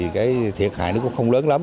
cái thiệt hại nó cũng không lớn lắm